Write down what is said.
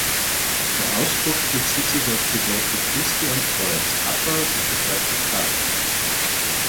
Der Ausdruck bezieht sich auf die Worte Christi am Kreuz: „Abba“ bedeutet „Vater“.